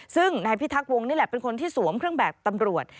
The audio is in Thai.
ซึ่งนายพิทักวงนี่แหละเป็นคนที่สวมเครื่องแบบตำรวจ